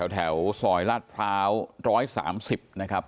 แถวซอยราชพร้าวร้อยสามสิบนะครับ